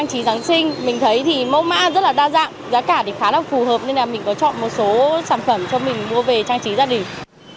giá cả khá là phù hợp nên mình có chọn một số sản phẩm cho mình mua về trang trí gia đình